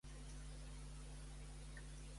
Quan era la meva cita amb la doctora Jordan?